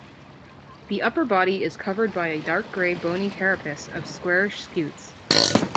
The upper body is covered by a dark grey bony carapace of squarish scutes.